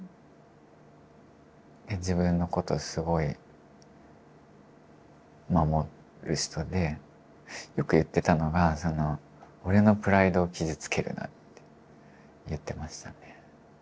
自分のことをすごい守る人でよく言ってたのが「俺のプライドを傷つけるな」って言ってましたね。